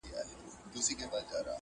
د هر چا په زړه کي اوسم بېګانه یم٫